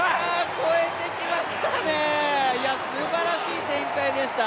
超えてきましたね、すばらしい展開でした。